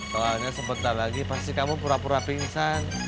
soalnya sebentar lagi pasti kamu pura pura pingsan